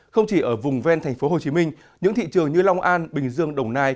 không chỉ ở vùng ven tp hcm những thị trường như long an bình dương đồng nai